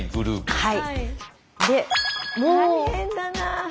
はい。